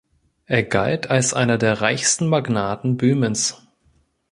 Er galt als einer der reichsten Magnaten Böhmens.